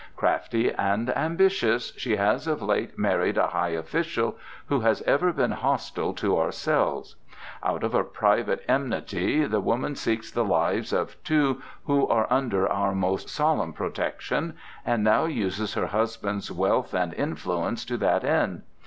Crafty and ambitious, she has of late married a high official who has ever been hostile to ourselves. Out of a private enmity the woman seeks the lives of two who are under our most solemn protection, and now uses her husband's wealth and influence to that end.